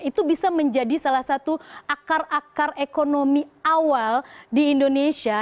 itu bisa menjadi salah satu akar akar ekonomi awal di indonesia